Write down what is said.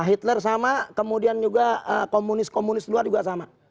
hitler sama kemudian juga komunis komunis luar juga sama